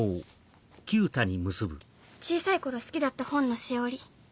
小さい頃好きだった本のしおり。